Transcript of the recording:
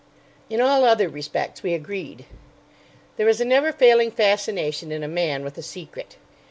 In all other respects we agreed. There is a never failing fascination in a man with a secret.